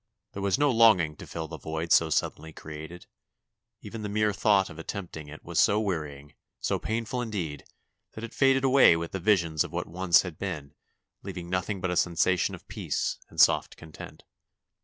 There was no longing to fill the void so sud denly created. Even the mere thought of attempting it was so wearying, so painful indeed, that it faded away with the visions of what once had been, leaving nothing but a sensation of peace and soft content.